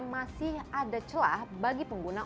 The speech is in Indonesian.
masih ada celah bagi pengguna